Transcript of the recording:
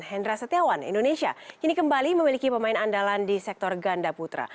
hendra setiawan indonesia kini kembali memiliki pemain andalan di sektor ganda putra